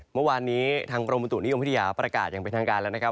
เมื่อวานนี้ทางกรมบุตุนิยมวิทยาประกาศอย่างเป็นทางการแล้วนะครับ